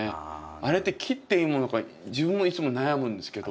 あれって切っていいものか自分もいつも悩むんですけど。